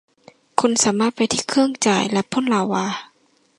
คุณสามารถไปที่เครื่องจ่ายและพ่นลาวา